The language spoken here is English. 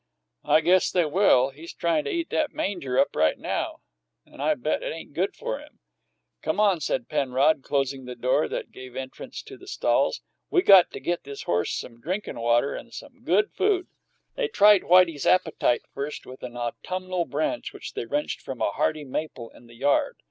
"I guess they will. He's tryin' to eat that manger up right now, and I bet it ain't good for him." "Come on," said Penrod, closing the door that gave entrance to the stalls. "We got to get this horse some drinkin' water and some good food." They tried Whitey's appetite first with an autumnal branch which they wrenched from a hardy maple in the yard.